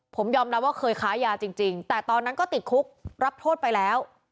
ผมยอมรับว่าเคยค้ายาจริงแต่ตอนนั้นก็ติดคุกรับโทษไปแล้ว